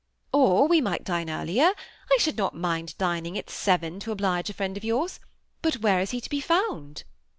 '^ Or we might dine earlier. I should not mind din ing at seven to oblige a friend of jours ; but where is be to be found?"